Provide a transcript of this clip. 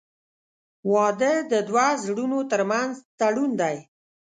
• واده د دوه زړونو تر منځ تړون دی.